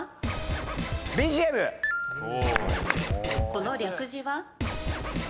この略字は？